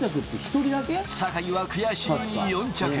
坂井は悔しい４着。